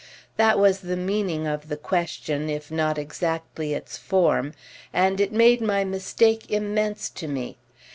That was the meaning of the question, if not exactly its form, and it made my mistake immense to me.